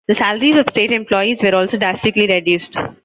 The salaries of state employees were also drastically reduced.